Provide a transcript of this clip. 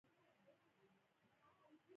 دا مېرمن د ده یوازېنۍ او لومړنۍ حقیقي مینه وه